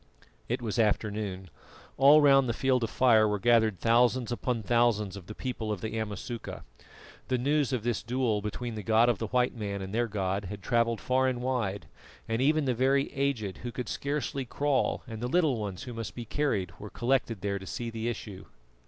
It was afternoon. All round the Field of Fire were gathered thousands upon thousands of the people of the Amasuka. The news of this duel between the God of the white man and their god had travelled far and wide, and even the very aged who could scarcely crawl and the little ones who must be carried were collected there to see the issue.